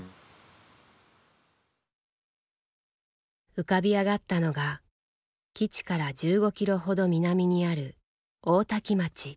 浮かび上がったのが基地から１５キロほど南にある大多喜町。